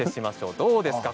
どうですか？